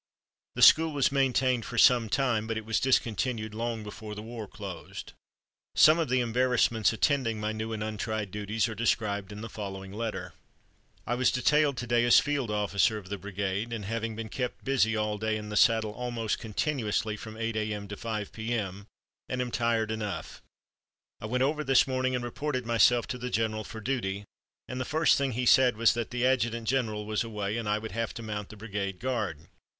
The school was maintained for some time, but it was discontinued long before the war closed. Some of the embarrassments attending my new and untried duties are described in the following letter: "I was detailed to day as field officer of the brigade, and have been kept busy all day, in the saddle almost continuously from 8 A.M. to 5 P.M., and am tired enough. I went over this morning and reported myself to the general for duty, and the first thing he said was that the adjutant general was away and I would have to mount the brigade guard.